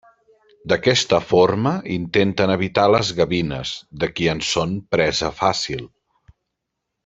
D'aquesta forma intenten evitar les gavines, de qui en són presa fàcil.